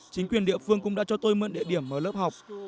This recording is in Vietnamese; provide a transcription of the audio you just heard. chính quyền địa phương cũng đã cho tôi mượn địa điểm mở lớp học